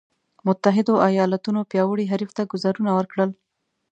متحدو ایالتونو پیاوړي حریف ته ګوزارونه ورکړل.